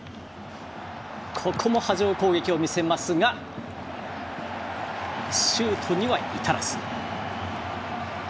波状攻撃を見せますがシュートには至らず。